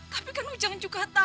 tapi kan ujang juga kasihan mak